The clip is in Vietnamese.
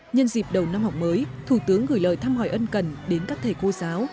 nhân dịp đầu năm học mới thủ tướng gửi lời thăm hỏi ân cần đến các thầy cô giáo